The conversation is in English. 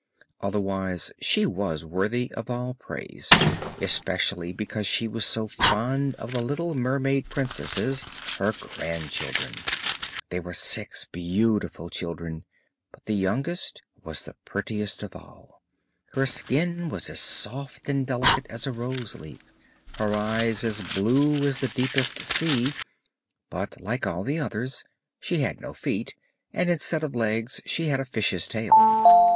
Otherwise she was worthy of all praise, especially because she was so fond of the little mermaid princesses, her grandchildren. They were six beautiful children, but the youngest was the prettiest of all; her skin was as soft and delicate as a roseleaf, her eyes as blue as the deepest sea, but like all the others she had no feet, and instead of legs she had a fish's tail.